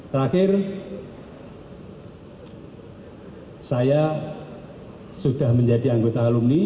terakhir saya sudah menjadi anggota alumni